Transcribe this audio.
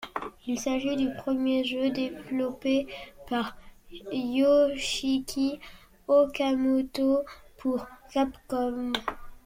Il s'agit du premier jeu développé par Yoshiki Okamoto pour Capcom.